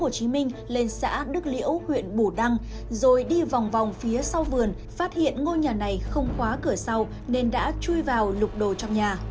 hồ chí minh lên xã đức liễu huyện bù đăng rồi đi vòng vòng phía sau vườn phát hiện ngôi nhà này không khóa cửa sau nên đã chui vào lục đồ trong nhà